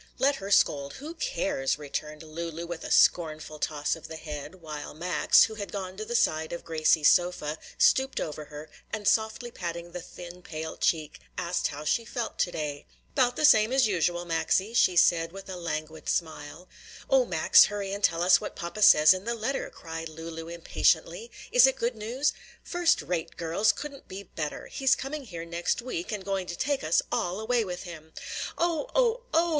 "Let her scold! who cares!" returned Lulu with a scornful toss of the head, while Max, who had gone to the side of Gracie's sofa, stooped over her, and softly patting the thin pale cheek, asked how she felt to day. "'Bout the same as usual, Maxie," she said, with a languid smile. "O Max, hurry and tell us what papa says in the letter!" cried Lulu impatiently. "Is it good news?" "First rate, girls! couldn't be better! He's coming here next week and going to take us all away with him!" "Oh! oh! oh!